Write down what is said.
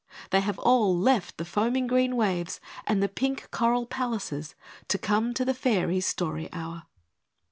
They have all left the foaming green waves and the pink coral palaces to come to the Fairies' Story Hour.